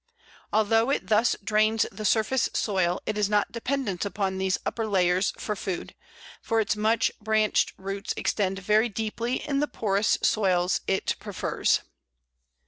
Although it thus drains the surface soil, it is not dependent upon these upper layers for food, for its much branched roots extend very deeply in the porous soils it prefers.